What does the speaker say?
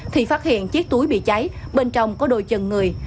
thì phát hiện chiếc túi bị cháy bên trong có đôi chân người